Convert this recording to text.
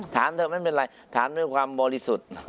ถามเธอไม่เป็นไรถามด้วยความบริสุทธิ์